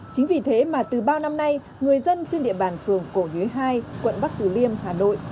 chính vì thế mà từ bao năm nay người dân trên địa bàn phường cổ nhuế hai quận bắc từ liêm hà nội